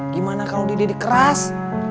gimana kalau dididik keras